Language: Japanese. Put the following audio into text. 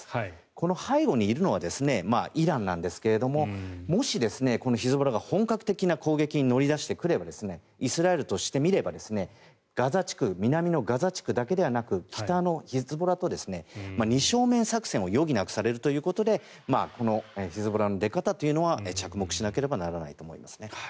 この背後にいるのはイランなんですけどもし、ヒズボラが本格的な攻撃に乗り出してくればイスラエルとしてみれば南のガザ地区だけでなく北のヒズボラと二正面作戦を余儀なくされるということでこのヒズボラの出方というのは着目しなければならないと思います。